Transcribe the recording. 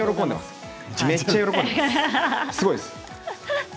すごいです。